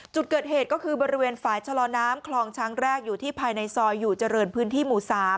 จุดเกิดเหตุก็คือบริเวณฝ่ายชะลอน้ำคลองช้างแรกอยู่ที่ภายในซอยอยู่เจริญพื้นที่หมู่๓